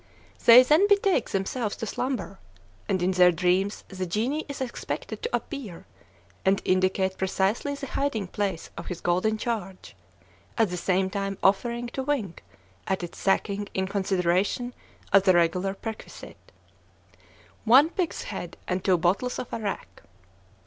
They then betake themselves to slumber; and in their dreams the genie is expected to appear, and indicate precisely the hiding place of his golden charge, at the same time offering to wink at its sacking in consideration of the regular perquisite, "one pig's head and two bottles of arrack."